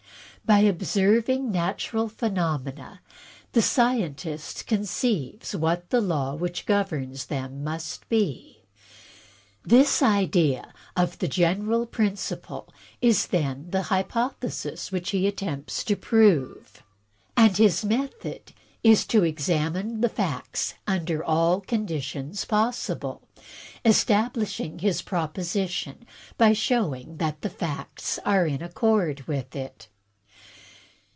By observing natural phenomena, the scientist conceives what the law which governs them must be. This 126 THE TECHNIQUE OF THE MYSTERY STORY idea of the general principle is then the hypothesis which he attempts to prove; and his method is to examine the facts under all conditions possible, establishing his proposition by showing that the facts are in accord with it.